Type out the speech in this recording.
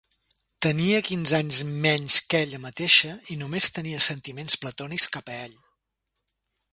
Tenia quinze anys menys que ella mateixa i només tenia sentiments platònics cap a ell.